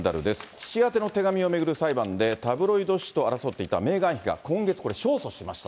父宛ての手紙を巡る裁判で、タブロイド紙と争っていたメーガン妃が今月、これ勝訴しました。